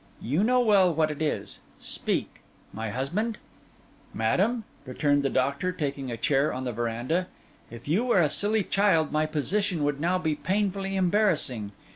You know well what it is. Speak: my husband?' 'Madam,' returned the doctor, taking a chair on the verandah, 'if you were a silly child, my position would now be painfully embarrassing.